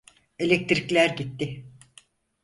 Elektrikler gitti.